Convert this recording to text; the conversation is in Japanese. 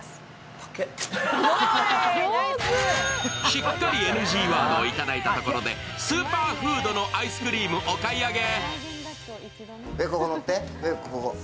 しっかりＮＧワードをいただいたところで、スーパーフードのアイスクリームをお買い上げ。